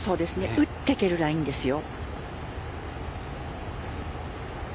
打っていけるラインですよ。